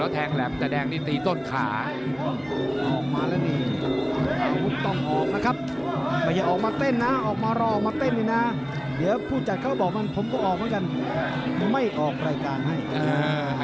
ต้องเองออกขวาลำบากนิดนึงครับ